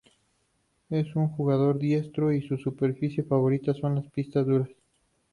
Es un jugador diestro y su superficie favorita son las pistas duras.